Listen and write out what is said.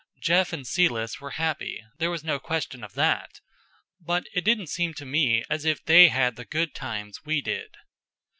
Jeff and Celis were happy; there was no question of that; but it didn't seem to me as if they had the good times we did.